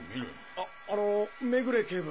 ああの目暮警部。